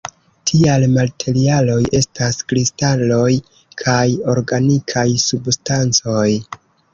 Tiaj materialoj estas kristaloj kaj organikaj substancoj.